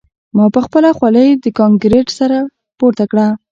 ما خپله خولۍ د کانکریټ سر ته پورته کړه